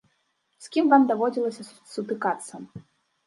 З кім вам даводзілася сутыкацца?